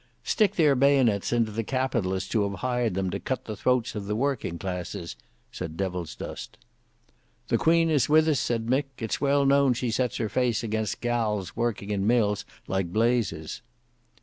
"Stick their bayonets into the Capitalists who have hired them to cut the throats of the working classes," said Devilsdust. "The Queen is with us," said Mick. "It's well known she sets her face against gals working in mills like blazes."